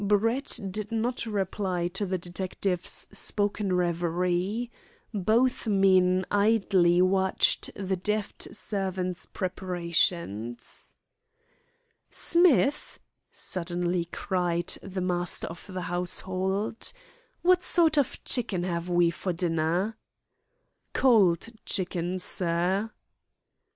Brett did not reply to the detective's spoken reverie. Both men idly watched the deft servant's preparations. "Smith," suddenly cried the master of the household, "what sort of chicken have we for dinner?" "Cold chicken, sir."